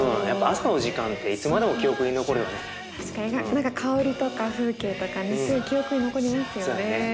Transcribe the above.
何か香りとか風景とか記憶に残りますよね。